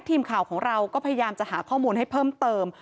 ทีมข่าวของเราก็พยายามจะหาข้อมูลให้เพิ่มเติม